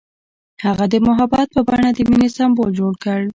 هغه د محبت په بڼه د مینې سمبول جوړ کړ.